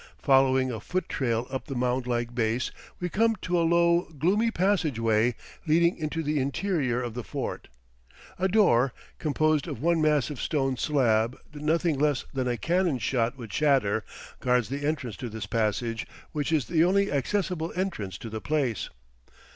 Following a foot trail up the mound like base, we come to a low, gloomy passage way leading into the interior of the fort. A door, composed of one massive stone slab, that nothing less than a cannon shot would shatter, guards the entrance to this passage, which is the only accessible entrance to the place.